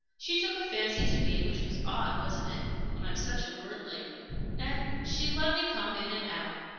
She took a fancy to me which was odd, wasn't it, when I'm such a worldling? and she let me come in and out.